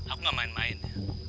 aku gak main main